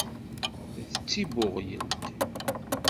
D tibbuɣyelt.